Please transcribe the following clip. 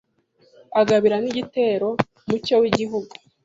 Agabira n'igitero Mucyo w'igihugu